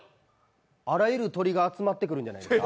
あらゆる鳥が集まってくるんじゃないですか？